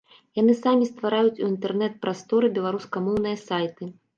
Яны самі ствараюць у інтэрнэт-прасторы беларускамоўныя сайты.